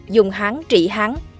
dùng hán trị hán